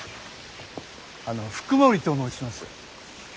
あの福森と申します。